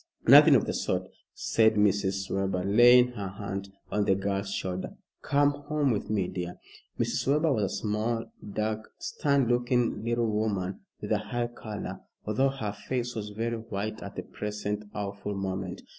"Nothing of the sort," said Mrs. Webber, laying her hand on the girl's shoulder. "Come home with me, dear." Mrs. Webber was a small, dark, stern looking little woman with a high color, although her face was very white at the present awful moment.